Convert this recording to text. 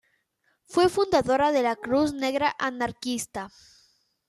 Fue fundadora de la Cruz Negra Anarquista.